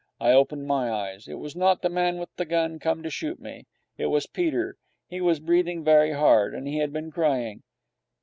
I opened my eyes. It was not the man with the gun come to shoot me. It was Peter. He was breathing very hard, and he had been crying.